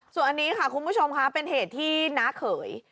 ส่วนอันนี้ค่ะคุณผู้ชมค่ะเป็นเหตุที่น้าเขย